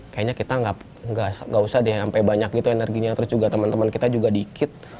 kayaknya kita nggak usah deh sampai banyak gitu energinya terus juga teman teman kita juga dikit